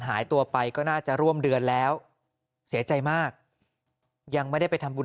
หายตัวไปก็น่าจะร่วมเดือนแล้วเสียใจมากยังไม่ได้ไปทำบุญ